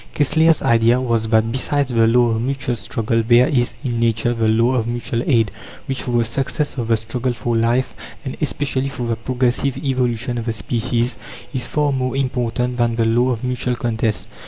Kessler's idea was, that besides the law of Mutual Struggle there is in Nature the law of Mutual Aid, which, for the success of the struggle for life, and especially for the progressive evolution of the species, is far more important than the law of mutual contest.